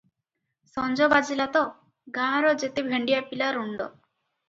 ସଞ୍ଜ ବାଜିଲା ତ, ଗାଁର ଯେତେ ଭେଣ୍ଡିଆ ପିଲା ରୁଣ୍ଡ ।